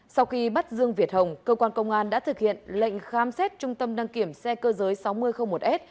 sau khi bắt dương việt hồng công an tỉnh đồng nai đã thực hiện lệnh khám xét trung tâm năng kiểm xe cơ giới sáu nghìn một s